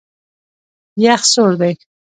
یخ سوړ دی.